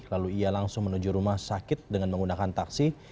lalu ia langsung menuju rumah sakit dengan menggunakan taksi